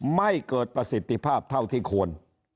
ไม่เกิดประสิทธิภาพเท่าที่ควร